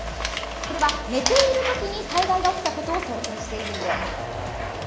これは、寝ている時に災害が起きたことを想定しているんです。